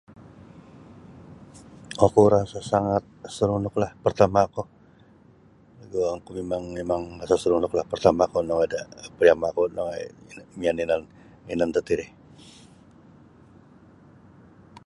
Oku rasa' sangat seronoklah partama' oku koduo oku mimang mimang rasa' seronoklah partama' oku nongoi da pariama'ku nongoi miyan da yanan yanan tatiri.